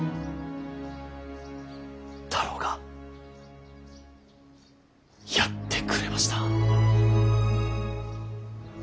太郎がやってくれました。